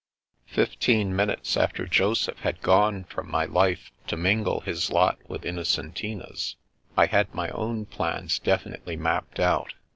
Fifteen minutes after Joseph had gone from my life to mingle his lot with Innocentina's, I had my own plans definitely mapped out.